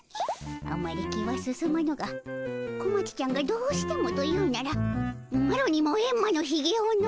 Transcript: あまり気は進まぬが小町ちゃんがどうしてもというならマロにもエンマのひげをの。